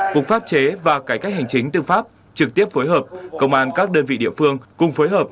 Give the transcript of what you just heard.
cục pháp chế và cải cách hành chính tư pháp trực tiếp phối hợp công an các đơn vị địa phương cùng phối hợp